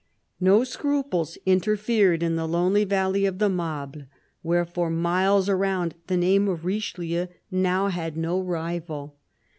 No scruples interfered in the lonely valley of the Mable, where for miles around the name of Richelieu now had no rival.